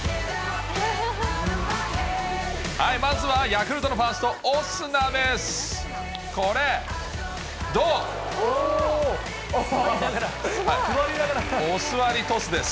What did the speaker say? まずはヤクルトのファースト、オスナです。